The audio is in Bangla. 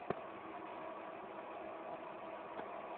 আরেকবার বলো না, তুমি আমায় ভালবাসো।